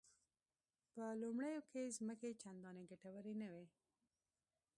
په لومړیو کې ځمکې چندانې ګټورې نه وې.